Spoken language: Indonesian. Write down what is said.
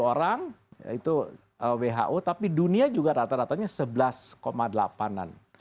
sepuluh orang itu who tapi dunia juga rata ratanya sebelas delapan an